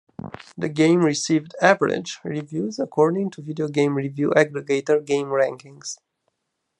The game received "average" reviews according to video game review aggregator GameRankings.